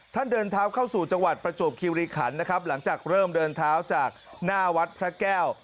เดินเท้าเข้าสู่จังหวัดประจวบคิวรีขันนะครับหลังจากเริ่มเดินเท้าจากหน้าวัดพระแก้ว